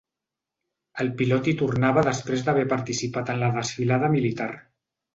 El pilot hi tornava després d’haver participat en la desfilada militar.